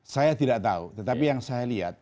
saya tidak tahu tetapi yang saya lihat